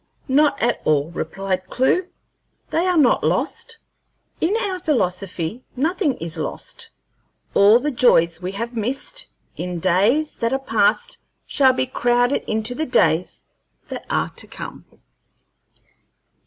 "Not at all," replied Clewe; "they are not lost. In our philosophy, nothing is lost. All the joys we have missed in days that are past shall be crowded into the days that are to come."